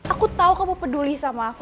aku tahu kamu peduli sama aku